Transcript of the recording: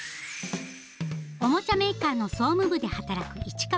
おもちゃメーカーの総務部で働く市川さん。